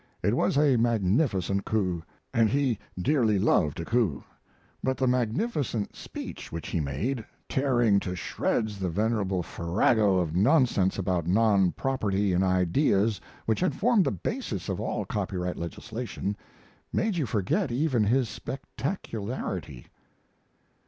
It was a magnificent coup, and he dearly loved a coup; but the magnificent speech which he made, tearing to shreds the venerable farrago of nonsense about nonproperty in ideas which had formed the basis of all copyright legislation, made you forget even his spectacularity."